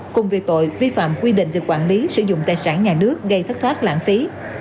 cùng về tội vi phạm quy định về quản lý sử dụng tài sản nhà nước gây thất thoát lãng phí